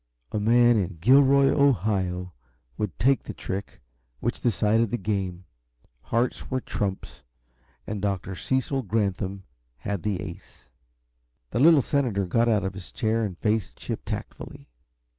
A man in Gilroy, Ohio, would take the trick which decided the game. Hearts were trumps, and Dr. Cecil Granthum had the ace. The little senator got out of his chair and faced Chip tactfully.